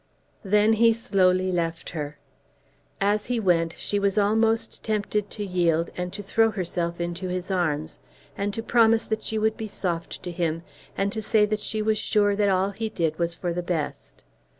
Then he slowly left her. As he went she was almost tempted to yield, and to throw herself into his arms, and to promise that she would be soft to him, and to say that she was sure that all he did was for the best.